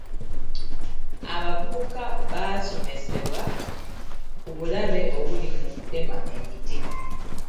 Abavubuka baasomesebwa ku bulabe obuli mu kutema emiti.